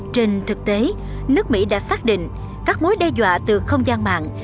trên thực tế nước mỹ đã xác định các mối đe dọa từ không gian mạng